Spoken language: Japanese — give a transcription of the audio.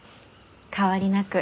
変わりなく。